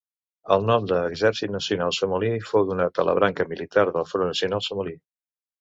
El nom d'Exèrcit Nacional Somali fou donat a la branca militar del Front Nacional Somali.